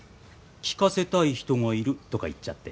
聴かせたい人がいるとか言っちゃって。